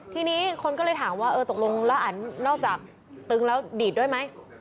ทีนี้คนก็เลยถามว่าเออตกลงแล้วอันนอกจากตึงแล้วดีดด้วยไหม